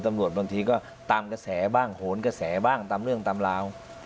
บางทีก็ตามกระแสบ้างโหนกระแสบ้างตามเรื่องตามราว